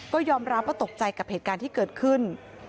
ก็ยอมรับว่าตกใจกับเหตุการณ์ที่เกิดขึ้น